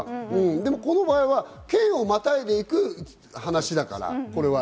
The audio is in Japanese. でも、この場合は県をまたいで行く話だから、これは。